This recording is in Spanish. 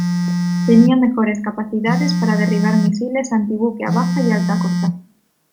Tenía mejores capacidades para derribar misiles antibuque a baja y alta cota.